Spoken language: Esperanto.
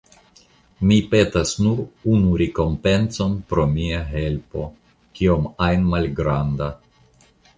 Mi petas nur unu rekompencon pro mia helpo, kiom ajn malgranda.